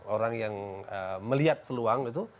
orang yang melihat peluang itu